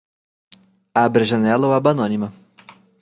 Abra a janela ou aba anônima